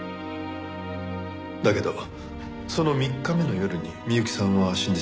だけどその３日目の夜に美由紀さんは死んでしまった。